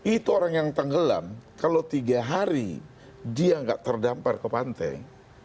itu orang yang tenggelam kalau tiga hari dia tidak terdampar ke pantai